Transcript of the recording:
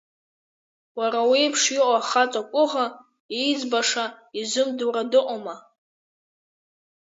Уара уеиԥш иҟоу ахаҵа ҟәыӷа ииӡбаша изымдыруа дыҟоума!